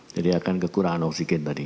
jadi akan kekurangan oksigen tadi